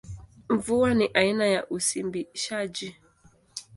Mvua ni aina ya usimbishaji.